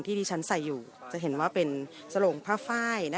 ที่ที่ฉันใส่อยู่จะเห็นว่าเป็นสลงผ้าไฟ